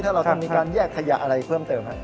ถ้าเราต้องมีการแยกขยาอะไรเพิ่มเติม